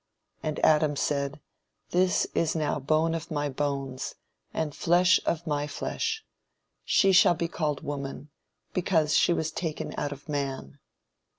"And Adam said, This is now bone of my bones, and flesh of my flesh; she shall be called Woman, because she was taken out of man.